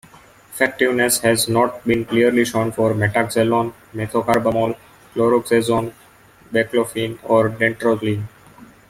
Effectiveness has not been clearly shown for metaxalone, methocarbamol, chlorzoxazone, baclofen, or dantrolene.